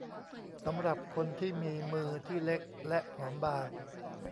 สำหรับคนที่มีมือที่เล็กและผอมบาง